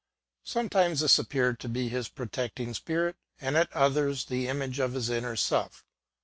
Sometimes this appeared to be his protect ing spirit, and at others the image of his inner self.